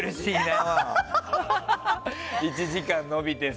１時間伸びてさ。